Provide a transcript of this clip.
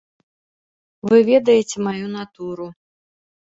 Вы ведаеце маю натуру.